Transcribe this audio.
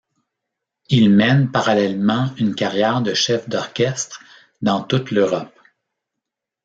Il mène parallèlement une carrière de chef d'orchestre dans toute l'Europe.